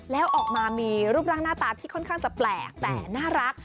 แล้วออกมามีรูปร่างหน้าตาที่ค่อนข้างจะแปลกแต่น่ารัก